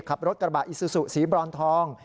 ขับรถกระบะอิซูซูสีบรอนทอง